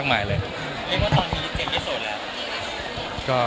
คุณค่ะ